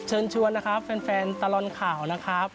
เชิญชวนนะครับแฟนตลอดข่าวนะครับ